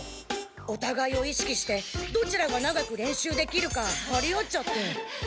おたがいを意しきしてどちらが長く練習できるかはり合っちゃって。